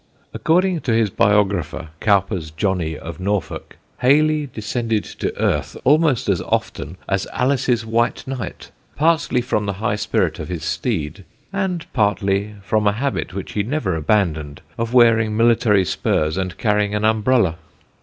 According to his biographer, Cowper's Johnny of Norfolk, Hayley descended to earth almost as often as Alice's White Knight, partly from the high spirit of his steed, and partly from a habit which he never abandoned of wearing military spurs and carrying an umbrella.